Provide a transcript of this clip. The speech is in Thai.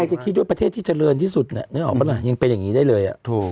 อากาศยังพูดจุดใหญ่